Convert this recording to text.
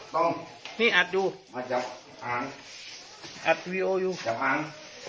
ต้องนี่อัดดูมาจับอ่านอัดวิโออยู่จับอ่าน